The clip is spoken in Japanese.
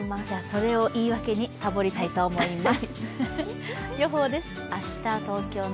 それを言い訳に、サボりたいと思います。